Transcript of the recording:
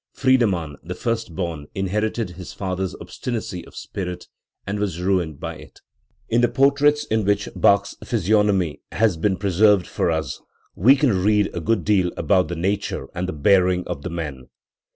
Friedemann, the firstborn, inherited his father's obstinacy of spirit, and was ruined by it* In the portraits in which Bach's physiognomy has been preserved for us we can read a good deal about the nature and the bearing of the man.